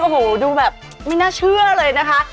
โอ้โหดูแบบไม่น่าเชื่อเลยนะคะ